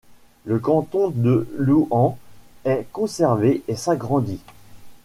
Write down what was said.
Le canton de Louhans est conservé et s'agrandit.